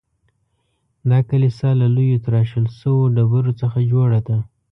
دا کلیسا له لویو تراشل شویو تیږو څخه جوړه ده.